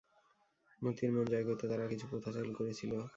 মূর্তির মন জয় করতে তারা কিছু প্রথা চালু করেছিল।